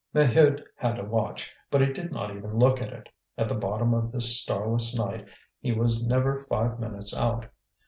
Maheu had a watch, but he did not even look at it. At the bottom of this starless night he was never five minutes out.